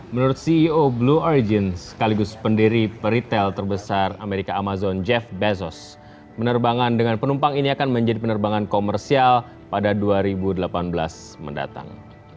menurut ceo blue origin sekaligus pendiri peritel terbesar amerika amazon jeff bezos penerbangan dengan penumpang ini akan menjadi penerbangan komersial pada dua ribu delapan belas mendatang